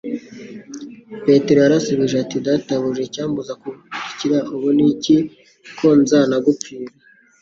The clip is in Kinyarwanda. Petero yari yasubij e ati: "Databuj a, icyambuza kugukirikira ubu ni iki ko nzanagupfira."